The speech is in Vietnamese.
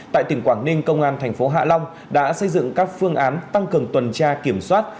tại tỉnh quảng ninh công an thành phố hạ long đã xây dựng các phương án tăng cường tuần tra kiểm soát